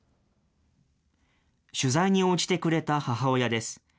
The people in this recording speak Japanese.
取材に応じてくれた母親です。